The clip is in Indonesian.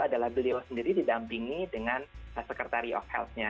adalah beliau sendiri didampingi dengan sekretari of health nya